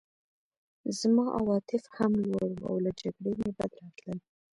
زما عواطف هم لوړ وو او له جګړې مې بد راتلل